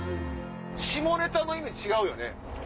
下ネタの意味違うよね？